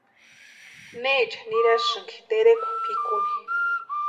¿Neecha nirasïnki terekwa pʼikuni?